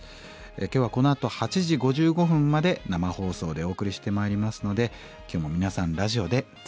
今日はこのあと８時５５分まで生放送でお送りしてまいりますので今日も皆さんラジオでつながりましょう。